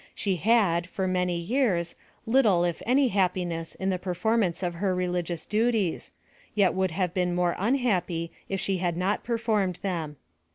She had, for many years, little if any happiness in the performance of her religious duties, yet would have been more un happy if she had not performed them.